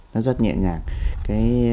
nó rất nhẹ nhàng